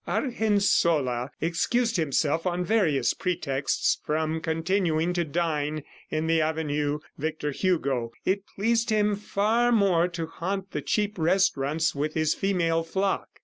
Argensola excused himself on various pretexts from continuing to dine in the avenue Victor Hugo. It pleased him far more to haunt the cheap restaurants with his female flock.